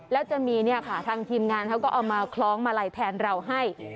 แล้วจะมีเนี่ยค่ะทางทีมงานเขาก็เอามาคล้องมาลัยแทนเราให้